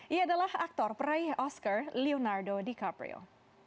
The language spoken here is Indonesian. ia adalah aktor peraih oscar leonardo dicaprio